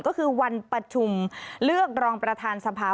ก็คือวันประชุมเลือกรองประธานสภา